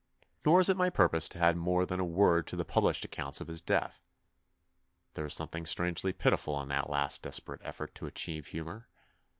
Nor is it my purpose to add more than a word to the published accounts of his death. There is something strangely pitiful in that last desperate effort to achieve humour.